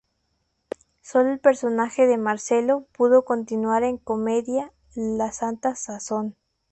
Solo el personaje de Marcelo pudo continuar en comedia "La santa sazón".